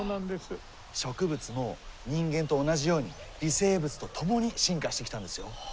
植物も人間と同じように微生物と共に進化してきたんですよ。